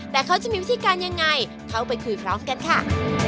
แต่เขาจะมีวิธีการยังไงเข้าไปคุยพร้อมกันค่ะ